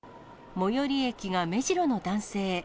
最寄り駅が目白の男性。